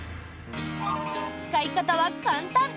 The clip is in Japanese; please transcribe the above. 使い方は簡単！